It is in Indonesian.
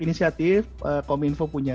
inisiatif kominfo punya